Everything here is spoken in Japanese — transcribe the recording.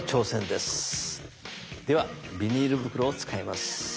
ではビニール袋を使います。